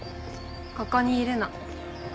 ここにいるの。